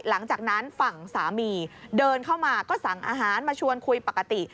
หลังจากนั้นฝั่งสามีเดินเข้ามาก็สั่งอาหารมาชวนคุยปกติ